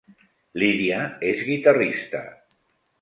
Lídia és guitarrista